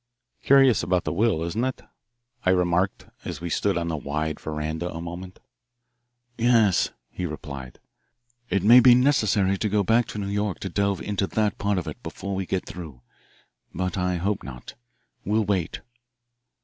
"Curious about the will, isn't it?" I remarked as we stood on the wide verandah a moment. "Yes," he replied. "It may be necessary to go back to New York to delve into that part of it before we get through, but I hope not. We'll wait."